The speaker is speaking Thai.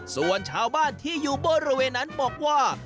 ส่วนชาวบ้านที่อยู่บริเวณนั้นบอกว่า